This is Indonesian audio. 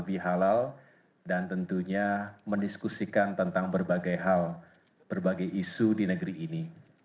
lebih halal dan tentunya mendiskusikan tentang berbagai hal berbagai isu di negeri ini